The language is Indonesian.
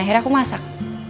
akhirnya aku masak